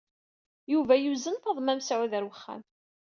Yuba yuzen Faḍma Mesɛud ɣer wexxam.